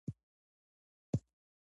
که سنکس تازه نه وي، خوند یې خرابېږي.